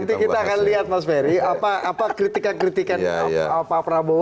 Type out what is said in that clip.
nanti kita akan lihat mas ferry apa kritikan kritikan pak prabowo